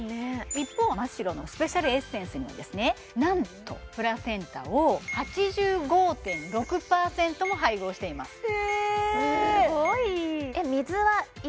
一方マ・シロのスペシャルエッセンスにはなんとプラセンタを８５．６％も配合していますえーっ？